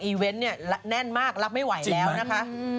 เวนต์เนี่ยแน่นมากรับไม่ไหวแล้วนะคะ